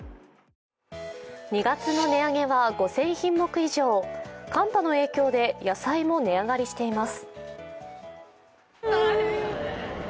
２月の値上げは５０００品目以上寒波の影響で野菜も値上がりしています。